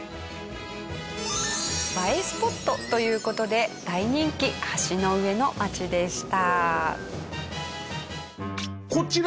映えスポットという事で大人気橋の上の街でした。